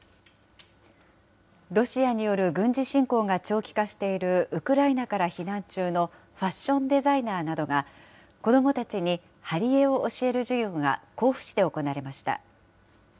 ロシアによる軍事侵攻が長期化しているウクライナから避難中のファッションデザイナーなどが、子どもたちに貼り絵を教える授業が甲府市で行われました。